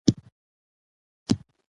که ښځې وزیرانې شي نو اداره نه خرابیږي.